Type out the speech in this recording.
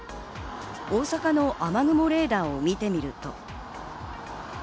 大阪の雨雲レーダーを見てみると。